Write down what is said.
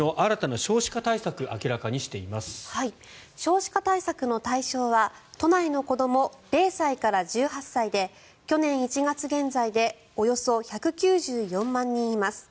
少子化対策の対象は都内の子ども０歳から１８歳で去年１月現在でおよそ１９４万人います。